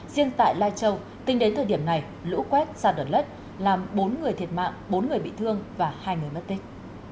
riêng tại lai châu tính đến thời điểm này lũ quét xa đợt lất làm bốn người thiệt mạng bốn người bị thương và hai người mất tích